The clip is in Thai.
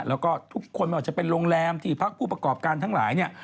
แล้วก็ทุกคนจะเป็นโรงแรมที่พักผู้ประกอบการทั้งหลาย